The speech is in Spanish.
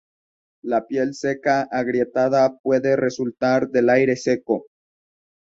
La piel seca agrietada puede resultar del aire seco.